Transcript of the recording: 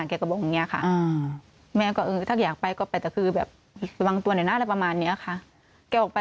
แกก็บอกว่าอย่างนี้ค่ะ